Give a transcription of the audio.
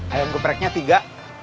ayam gepreknya tiga